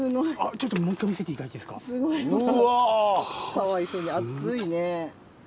かわいそうに暑いね。